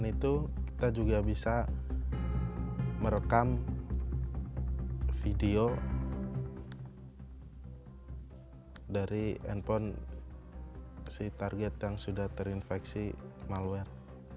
selain itu kita juga bisa merekam video dari handphone si target yang sudah terinfeksi malware